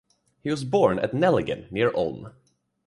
He was born at Nellingen near Ulm.